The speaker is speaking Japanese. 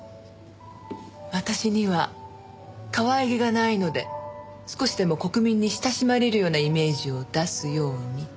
私にはかわいげがないので少しでも国民に親しまれるようなイメージを出すようにと。